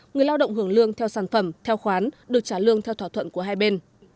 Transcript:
người lao động hưởng lương theo sản phẩm theo khoán được trả lương theo thỏa thuận của hai bên